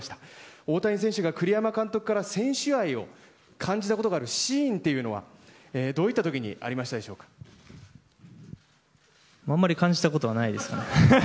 大谷選手が栗山監督から選手愛を感じたことのあるシーンというのはどういった時にあまり感じたことはないです。